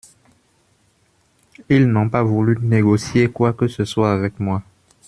Ils n'ont pas voulu négocier quoi que ce soit avec moi.